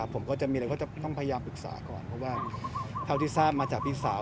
ผมก็จะมีอะไรก็จะต้องพยายามปรึกษาก่อนเพราะว่าเท่าที่ทราบมาจากพี่สาว